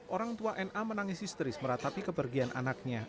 orang tua na menangis histeris meratapi kepergian anaknya